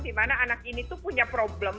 dimana anak ini tuh punya problem